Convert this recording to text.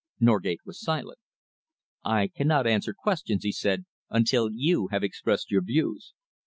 Norgate was silent. "I cannot answer questions," he said, "until you have expressed your views."